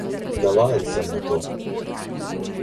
Navajen sem na to.